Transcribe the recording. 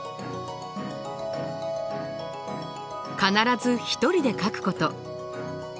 必ず一人で描くこと。